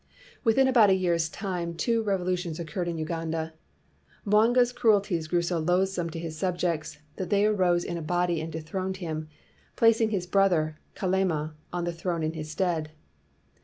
Within about a year's time two revolu tions occurred in Uganda. Mwanga 's cruelties grew so loathsome to his subjects that they arose in a body and dethroned him, placing his brother, Kalema, on the throne in his stead.